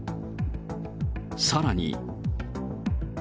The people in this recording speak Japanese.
さらに。